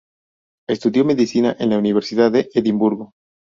Estudió Medicina en la Universidad de Edimburgo.